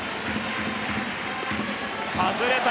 外れた！